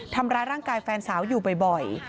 ทำร้ายร่างกายแฟนสาวอยู่บ่อย